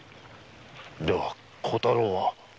では小太郎は？